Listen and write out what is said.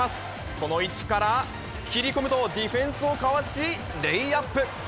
この位置から切り込むと、ディフェンスをかわしレイアップ。